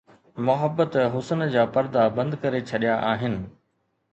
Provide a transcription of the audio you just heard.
محبت حسن جا پردا بند ڪري ڇڏيا آهن